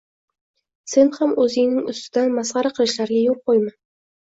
sen ham o‘zingning ustidan masxara qilishlariga yo‘l qo‘yma!